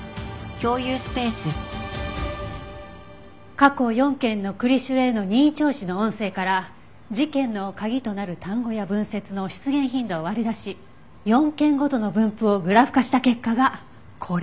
過去４件の栗城への任意聴取の音声から事件の鍵となる単語や文節の出現頻度を割り出し４件ごとの分布をグラフ化した結果がこれ。